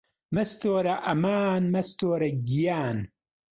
مەستوورە ئەمان مەستوورە گیان